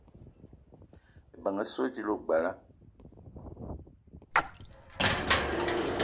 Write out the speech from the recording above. Ebeng essoe dila ogbela